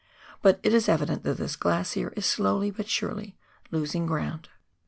But it is evident that this glacier is slowly but surely losing ground.